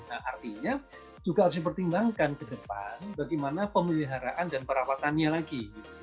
nah artinya juga harus dipertimbangkan ke depan bagaimana pemeliharaan dan perawatannya lagi